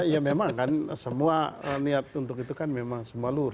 ya memang kan semua niat untuk itu kan memang semua lur